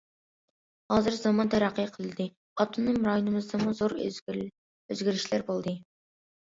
ھازىر زامان تەرەققىي قىلدى، ئاپتونوم رايونىمىزدىمۇ زور ئۆزگىرىشلەر بولدى.